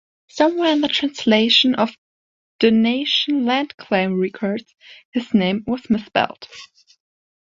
Somewhere in the translation of donation land claim records, his name was misspelled.